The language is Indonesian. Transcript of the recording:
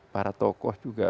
para tokoh juga